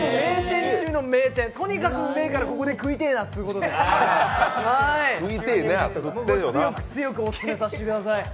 とにかくうめえからここで食いてえなってことで、強く強くオススメさせてください。